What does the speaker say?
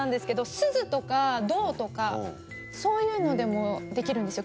スズとか銅とかそういうのでもできるんですよ